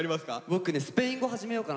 僕スペイン語始めようかなと思って。